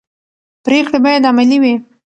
پرېکړې باید عملي وي